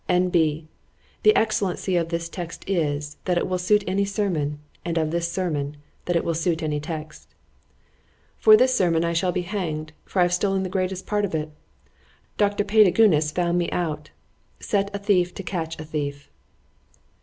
_ ——N.B. The excellency of this text is, that it will suit any sermon,—and of this sermon,——that it will suit any text.—— ——For this sermon I shall be hanged,—for I have stolen the greatest part of it. Doctor Paidagunes _found me out. => Set a thief to catch a thief.